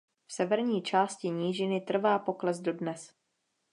V severní části nížiny trvá pokles dodnes.